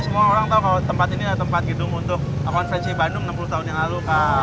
semua orang tahu kalau tempat ini adalah tempat gedung untuk konferensi bandung enam puluh tahun yang lalu